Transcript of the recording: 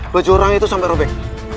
baju orang itu sampai robek